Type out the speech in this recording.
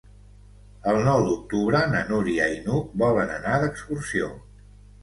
El nou d'octubre na Núria i n'Hug volen anar d'excursió.